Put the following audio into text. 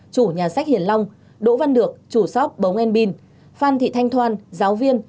chủ nhà sách hiền long đỗ văn được chủ sóc bống en bin phan thị thanh toan giáo viên